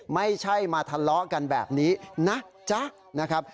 ไม่ใช่มาทะเลาะกันแบบนี้นะจ๊ะ